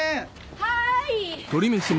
はい！